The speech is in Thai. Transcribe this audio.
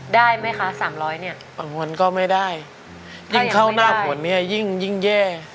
ได้ไหมคะสามร้อยเนี่ยบางคนก็ไม่ได้ยิ่งเข้าหน้าฝนเนี่ยยิ่งยิ่งแย่